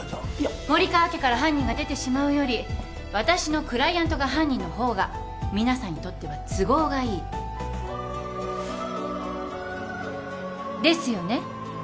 森川家から犯人が出てしまうより私のクライアントが犯人の方が皆さんにとっては都合がいい。ですよね？